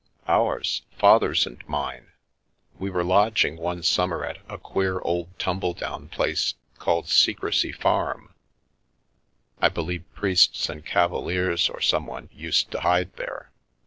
"" Ours — Father's and mine. We were lodging one summer at a queer old tumbledown place called Secrecy Farm — I believe priests or cavaliers or someone used to hide there.